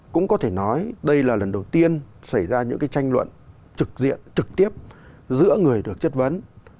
cũng có thể nói đây là lần đầu tiên xảy ra những tranh luận trực tiếp giữa người được chất vấn